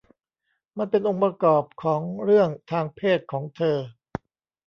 มันเป็นองค์ประกอบของเรื่องทางเพศของเธอ